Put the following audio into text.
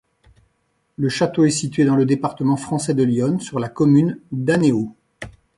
Le château est situé dans le département français de l'Yonne, sur la commune d'Annéot.